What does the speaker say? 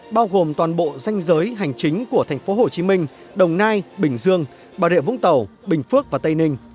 bao gồm toàn bộ danh giới hành chính của tp hcm đồng nai bình dương bà rịa vũng tàu bình phước và tây ninh